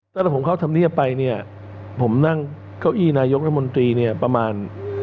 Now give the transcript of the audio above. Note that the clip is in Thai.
ตั้งแต่ผมเข้าธรรมเนียบไปผมนั่งเก้าอี้นายกท่านมนตรีประมาณ